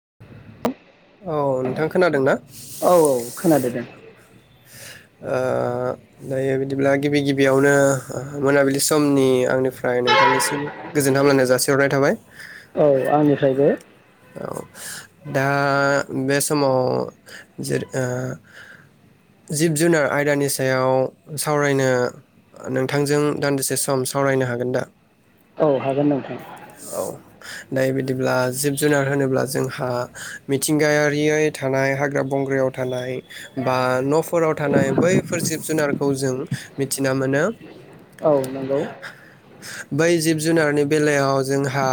[inaudible] औ नोंथां खोनादोंना? औ खोनादो दे ओ दायो बिदिब्ला गिबि गिबियावनो मोनाबिलि समनि आंनिफ्राय नोंथांनिसिम गोजोन हामलायनाय जासिहरनाय थाबाय। औ आंनिफ्रायबो। औ दा बे समाव जेरो ओ जिब जुनार आयदानि सायाव सावरायनो नोंथांजों दान्दिसे सम सावरायनो हागोन दा? औ हागोन नोंथां। औ दायो बिदिब्ला जिब' जुनार होनोब्ला जोंहा मिथिंगायारियोय थानाय हाग्रा बंग्रायाव थानाय बा न'फोराव थानाय बैफोर जिब जुनारखौ जों मिथिना मोनो। औ नंगौ। बै जिब जुनारनि बेलायाव जोंहा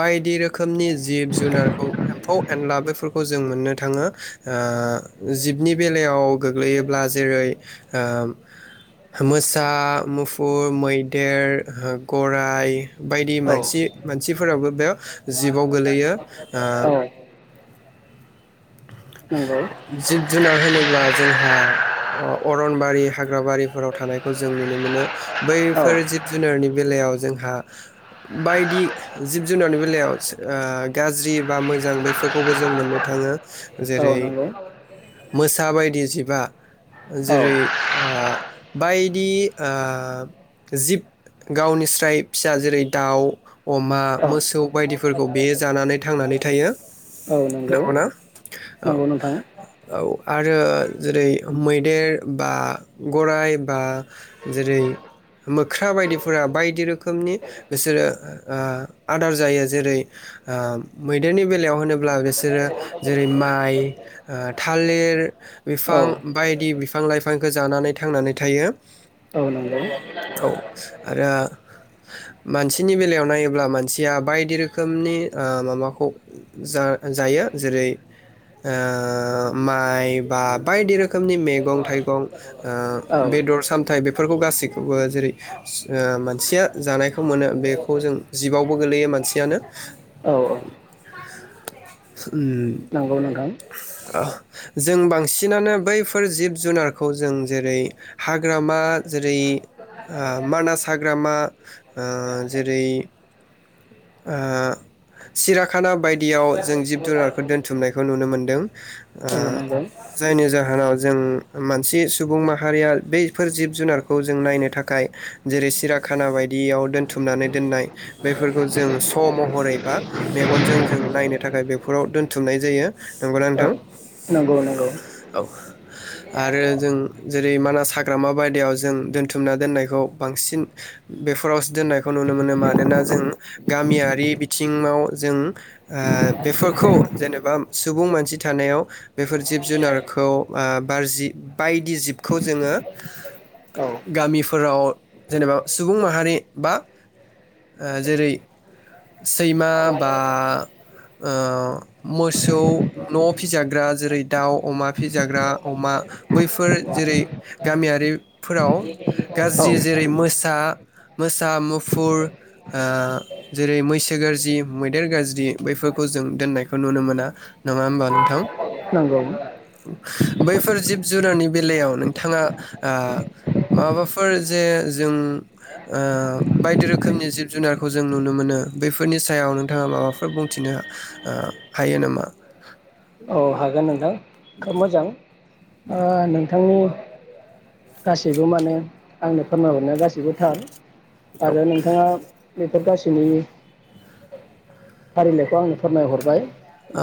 बायदि रोखोमनि जि जिब जुनारखौ एम्फौ एनला बेफोरखौ जों मोननो थाङो ओ जिबनि बेलायाव गोग्लैयोब्ला जेरै ओ मोसा मुफुर मैदेर गराइ बायदि औ मानसि मानसिफोराबो बेयाव जिबआव गोलैयो ओ औ नंगौ जिब जुनार होनोब्ला जोंहा अ-अरनबारि हाग्राबारिफोराव थानायखौ जों नुनो मोनो औ बैफोर जिब जुनारनि बेलायाव जोंहा बायदि जिब जुनारनि बेलायाव सो ओ गाज्रि बा मोजां बैफोरखौबो जों मोननो थाङो। औ जेरै नंगौ मोसा बायदि जिबआ औ जेरै ओ बायदि ओ जिब गावनिस्राय फिसा जेरै दाउ अमा औ मोसौ बायदिफोरखौ बेयो जानानै थांनानै थायो नोंगौ नंगौ ना? औ, नंगौ नोंथां औ आरो जेरै मैदेर बा गराइ बा जेरै मोख्रा बायदिफोरा बायदि रोखोमनि बिसोरो ओ आदार जायो जेरै ओ मैदेरनि बेलायाव होनोब्ला बेसोरो जेरै माइ ओ थालिर औ बिफां बायदि बिफां लाइफांखौ जानानै थांनानै थायो औ नंगौ औ आरो मानसिनि बेलायाव नायोब्ला मानसिया बायदि रोखोमनि ओ मामाखौ जा-जायो जेरै ओ माइ बा बायदि रोखोमनि मेगं थाइगं ओ औ बेदर सामथाइ बे फोरखौ गासैखौबो जेरै ओ मानसिया जानायखौ मोनो बेखौ जों जिबावबो गोलैयो मानसियानो, औ उम। नोंगौ नोंथां। ओ जों बांसिनानो बैफोर जिब जुनारखौ जों जेरै हाग्रामा जेरै ओ मानास हाग्रामा ओ जेरै ओ सिराखाना बायदियाव जों जिब जुनारखौ दोन थुमनायखौ नुनो मोनदों। ओ औ नंगौ जायनि जाहोनाव जों मानसि सुबुं माहारिया बैफोर जिब जुनारखौ जों नायनो थाखाय जेरै सिराखाना बायदियाव दोन्थुमनानै दोननाय बैफोरखौ जों स' महरै बा मेगनजों जों नायनो थाखाय बेफोराव दोन थुमनाय जायो नोंगौना नोंथां? नोंगौ नोंगौ। औ आरो जों जेरै मानास हाग्रामा बायदायाव जों दोनथुमना दोननायखौ बांसिन बेफोरावसो दोननायखौ नुनो मोनो मानोना जों गामियारि बिथिङाव जों ओ बेफोरखौ जेनेबा सुबुं मानसि थानायाव बेफोर जिब जुनारखौ ओ बारजि बायदि जिबखौ जोङो औ गामिफोराव जेनेबा सुबुं माहारि बा ओ जेरै सैमा बा ओ मोसौ न' फिजाग्रा जेरै दाव, अमा फिजाग्रा अमा बैफोर जेरै गामियारिफोराव औ गाज्रि जेरै मोसा, मोसा, मुफुर ओ जेरै मैसो गारजि मैदेर गाज्रि बैफोरखौ जों दोननायखौ नुनो मोना नङा होमबा नोंथां? नोंगौ। बैफोर जिब जुनारनि बेलायाव नोंथाङा ओ माबाफोर जे जों ओ बायदि रोखोमनि जिब जुनारखौ जों नुनो मोनो बेफोरनि सायाव नोंथाङा माबाफोर बुंथिनो ओ हायो नामा? औ हागोन नोंथां। खोब मोजां ओ नोंथां थ' गासैबो माने आंनो फोरमायहरनो गास बिबो थार औ आरो नोंथाङा बेफोर गासैनि फारिलाइखौ आंनो फोरमायहरबाय।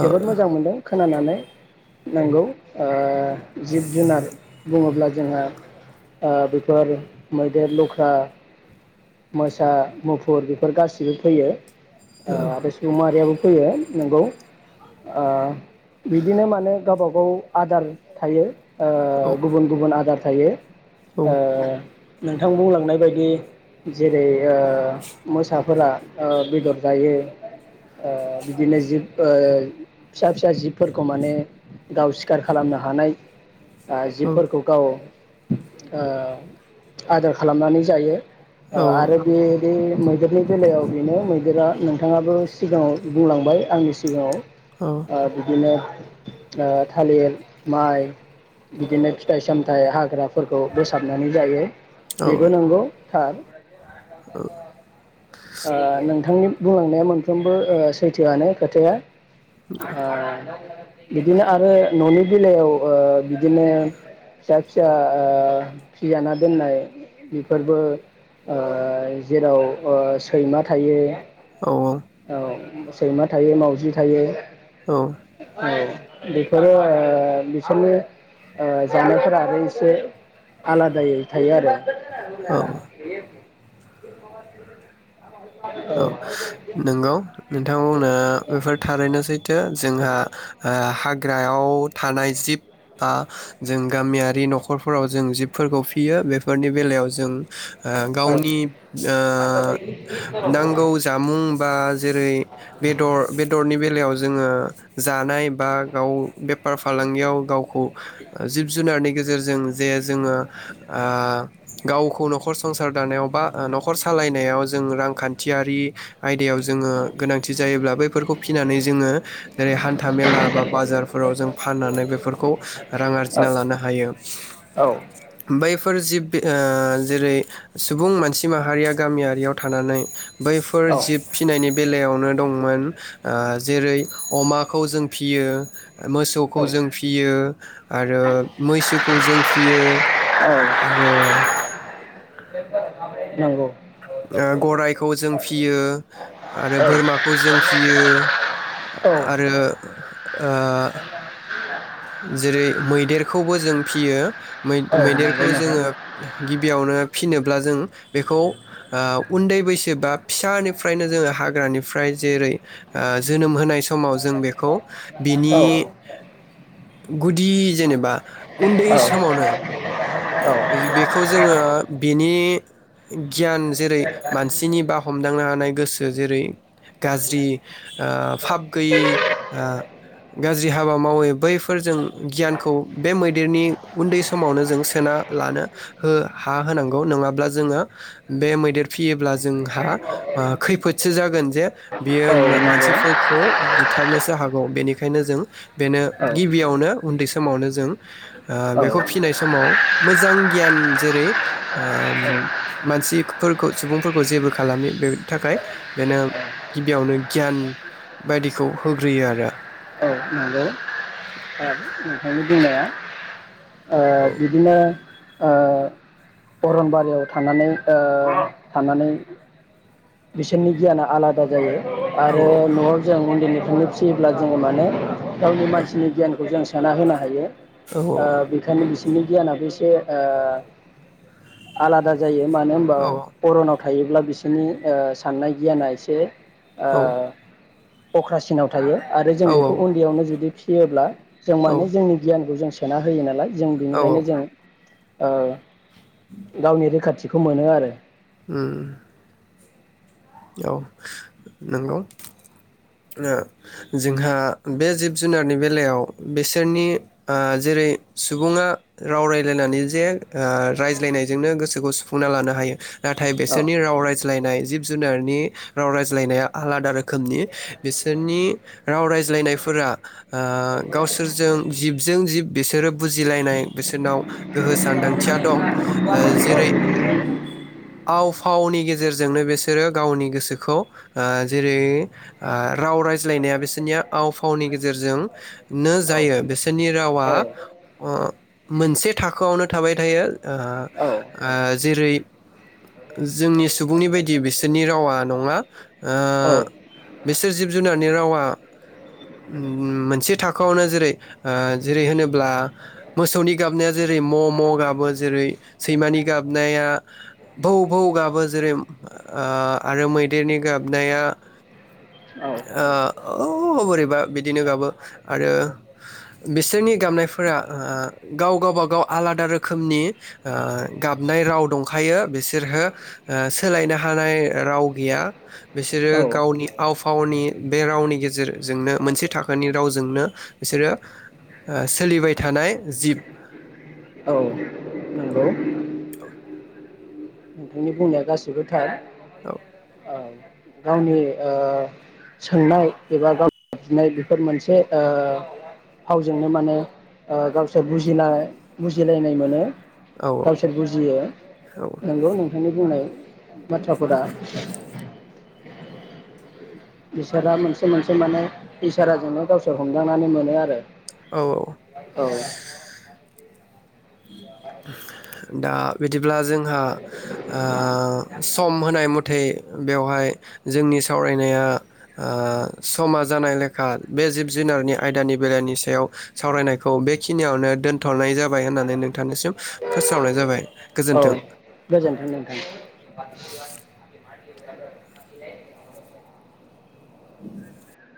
जोबोद मोजां मोनदों। खोनानानै नोंगौ ओ जिब जुनार बुङोब्ला जोंहा ओ बेफोर मैदेर, लख्रा, मोसा, मुफुर बेफोर गासिबो फैयो। ओ बे सुबुं माहारियाबो फैयो नोंगौ ओ बिदिनो माने गावबागाव आदार थायो। ओ गुबुन गुबुन आदार थायो। ओ नोंथां बुंलांनाय बायदि जेरै ओ मोसाफोरा ओ बेदर जायो ओ बिदिनो जिब ओ फिसा फिसा जिब फोरखौ माने गाव सिखार खालामनो हानाय ओ जिबफोरखौ गाव ओ आदार खालामनानै जायो। औ ओ आरो बे दे मैदेरनि बेलायाव बेनो मैदेरा नोंथाङाबो सिगाङाव बुंलांबाय आंनि सिगाङाव औ। ओ बिदिनो ओ थालिर माइ बिदिनो फिथाइ सामथाइ हाग्राफोरखौ बोसाबनानै जायो। बेबो नोंगौ। थार। औ। ओ नोंथांनि बुंलांनाया मोनफ्रोमबो ओ सैथोआनो खोथाया। ओ बिदिनो आरो न'नि बेलायाव ओ बिदिनो फिसा फिसा ओ फिजाना दोननाय बेफोरबो ओ जेराव ओ सैमा थायो। औ। सैमा थायो मावउजि थायो औ। बेफोरो ओ बिसोरनि ओ जानायफोरा आरो एसे आलादायै थायो आरो [unintelligible] [unintelligible] औ औ औ नोंगौ नोंथां बुंना बेफोर थारैनो सैथो। जोंहा ओ हाग्रायाव थानाय जिब बा जों गामियारि न'खरफोराव जों जिबफोरखौ फियो बेफोरनि बेलायाव जों ओ औ गावनि ओ नांगौ जामुं बा जेरै बेदर बेदरनि बेलायाव जोङो जानाय बा गाव बेफार फालांगियाव गावखौ जिब जुनारनि गेजेरजों जे जोङो ओ गावखौ न'खर संसार दानायाव बा न'खर सालायनायाव जों रांखान्थि थियारि आयदायाव जोङो गोनांथि जायोब्ला बैफोरखौ फिनानै जोङो जेरै हान्था मेला बा बाजारफोराव जों फाननानै बेफोरखौ रां औ आरजिना लानो हायो। औ। बैफोर जिब ओ जेरै सुबुं मानसि माहारिया गामियारियाव थानानै बैफोर औ जिब औ फिनायनि बेलायावनो दंमोन ओ जेरै अमाखौ जों फियो मोसौखौ औ जों फियो आरो मैसोखौ जों फियो आरो नंगौ ओ गराइखौ जों फियो आरो औ बोरमाखौ जों फियो औ आरो ओ जेरै मैदेरखौबो जों फियो मै औ नंगौ मैदेरखौ नोंथां जोङो गिबियावनो फिनोब्ला जों बेखौ ओ उन्दै बैसो बा फिसानिफ्रायनो जोङो हाग्रानिफ्राय जेरै ओ जोनोम होनाय समाव जों बेखौ बिनि औ गुदि जेनेबा उन्दै औ समावनो बेखौ जोङो बेनि गियान जेरै मानसिनि बा हमदांनो हानाय गोसो जेरै गाज्रि ओ फाब गैयि ओ गाज्रि हाबा मावै बैफोर जों गियानखौ बे मैदेरनि उन्दै समावनो जों सोना लानो हो हा होनांगौ नङाब्ला जोङो बे मैदेर फियोब्ला जोंहा ओ खैफोदसो जागोन जे बियो औ नंगौ मानसिफोरखौ बुथारनोसो हागौ बेनिखायनो जों बेनो औ गिबियावनो उन्दै समावनो जों ओ औ बेखौ फिनाय समाव मोजां गियान जेरै ओ मानसिफोरखौ सुबुंफोरखौ जेबो खालामि बेनि थाखाय बेनो गिबियावनो गियान बायदिखौ होग्रोयो आरो औ नोंनि बुंनाया ओ औ बिदिनो ओ अरनबारियाव थानानै ओ थानानै बिसोरनि गियाना आलादा जायो। आरो औ न'आव जों मन्दिरनि थुनो फिसियोब्ला जोङो माने गावनि मानसिनि गियानखौ जों सोना होनो हायो। औ ओ बेखायनो बिस बिनि गियानाबो एसे ओ आलादा जायो। मानो होमबा औ अर'नाव थायोब्ला बिसोरनि ओ साननाय गियाना एसे ओ अख्रासिनाव थायो आरो जों बेखौ उन्दैयावनो जुदि फि फियोब्ला जों औ माने जोंनि गियानखौ जों सोना होयो नालाय। जों औ औ बेनिखायनो जों ओ गावनि रैखाथि बिखौ मोनो आरो। उम। औ नंगौ। ओ जोंहा बे जिब-जुनारनि बेलायाव बिसोरनि ओ जेरै सुबुङा राव रायलायनानै जे ओ रायज्लायनायजोंनो गोसोखौ सुफुंना लानो हायो नाथाय औ बिसोरनि राव रायज्लायनाय जिब जुनारनि राव रायज्लायनाया आलादा रोखोमनि। बिसोरनि राव रायज्लायनायफोरा ओ गावसोरजों जिबजों जिब बिसोरो बुजिलायनाय बिसोरनाव गोहो सानदांथिया दं। ओ जेरै आव-फावनि गेजेरजोंनो बिस सोरो गावनि गोसोखौ ओ जेरै ओ राव रायज्लायनाया बिसोरनि आव फावनि गेजेरजोंनो औ जायो बिसोरनि रावा औ अ मोनसे थाखोआवनो थाबाय थायो ओ ओ जेरै जोंनि सुबुंनि बायदि बिस सोरनि रावा नङा ओ औ बिसोर जिब-जुनारनि रावा ओम मोनसे थाखोआवनो जेरै ओ जेरै होनोब्ला मोसौनि गाबनाया जेरै म' म' गाबो, जेरै सैमानि गाबनाया भौ भौ गाबो, जेरै ओ ओ आरो मैदेरनि गाबनाया औ ओ औवौऔ बोरैबा बिदिनो गाबो। आरो बिसोरनि गाबनायफोरा ओ गाव-गावबागाव आलादा रोखोमनि ओ गाबनाय राव दंखायो बिसोरहो ओ सोलायनो हा हानाय राव गैया। औ बिसोरो गावनि आव फावनि बे रावनि गेजेरजोंनो मोनसे थाखोनि रावजोंनो बिसोरो ओ सोलिबाय थानाय जिब। औ नंगौ। नोंनि बुंनाया गासिबो थार। औ। औ गावनि ओ सोंनाय एबा गाव बिनाय बेफोर मोनसे ओ फावजोंनो माने ओ गावसोर बुजिनाय बुजिलायनाय मोनो। औ गावसोर बुजियो औ नंगौ नोंथांनि बुंनाय बाथ्राफोरा बिसोरा मोनसे मोनसे माने इसोराजोंनो गावसोर हमदांनानै मोनो आरो। औ औ औ। दा बिदिब्ला जोंहा ओ सम होनाय मथे बेवहाय जोंनि सावरायनाया ओ समा जानाय लेखा बे जिब-जुनारनि आयदानि बेलानि सायाव सावरायनायखौ बेखिनियावनो दोनथ'नाय जाबाय होननानै नोंथांनिसिम फोसावनाय जाबाय गोजोन्थों। गोजोनथों नोंथां। [unintelligible] [inaudible]